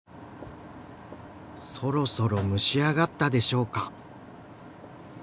そろそろ蒸し上がったでしょうか？